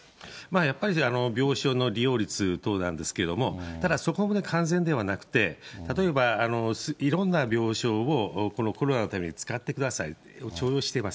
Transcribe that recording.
やっぱり、病床の利用率等なんですけれども、ただそこまで完全ではなくて、例えばいろんな病床をこのコロナのために使ってくださいって、してます。